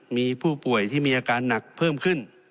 มีผู้ป่วยที่มีอาการหนักเพิ่มขึ้น